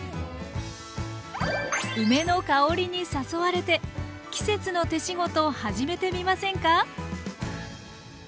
梅の香りに誘われて季節の「手仕事」始めてみませんか？